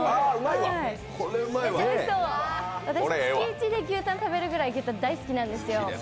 私、月１で牛タン食べるくらい好きなんですよ。